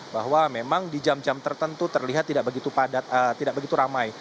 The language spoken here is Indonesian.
bahwa memang di jam jam tertentu terlihat tidak begitu ramai